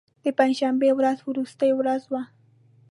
د پنج شنبې ورځ وروستۍ ورځ وه.